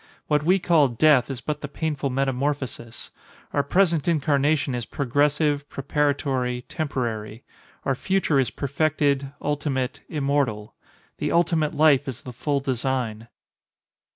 What we call "death," is but the painful metamorphosis. Our present incarnation is progressive, preparatory, temporary. Our future is perfected, ultimate, immortal. The ultimate life is the full design.